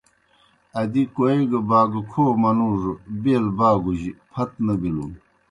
ادی کوئے گہ باگوْ کھو منُوڙوْ بیل باگوْجیْ پھت نہ بِلُن۔